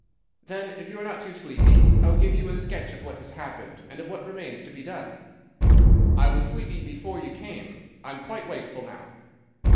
"Then, if you are not too sleepy, I will give you a sketch of what has happened, and of what remains to be done." "I was sleepy before you came. I am quite wakeful now."